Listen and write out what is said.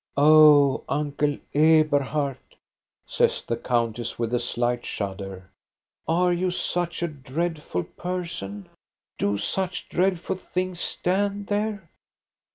" Oh, Uncle Eberhard," says the countess, with a slight shudder, " are you such a dreadful person? Do such dreadful things stand there?"